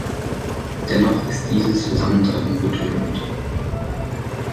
Dennoch ist dieses Zusammentreffen bedrückend.